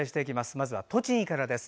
まずは栃木からです。